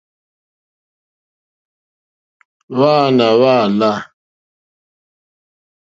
Hwáǎnà hwá láǃá.